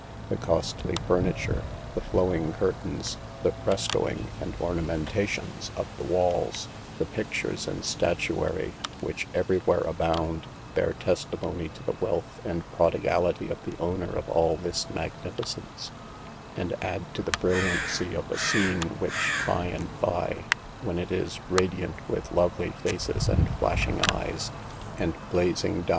The costly furniture, the flowing curtains, the frescoing and ornamentations of the walls, the pictures and statuary which everywhere abound, bear testimony to the wealth and prodigality of the owner of all this magnifi cence, and add to the brilliancy of a scene which, by and by, when it is radiant with lovely faces, and flashing eyes, and blazing dia THE EVILS OF DANCING.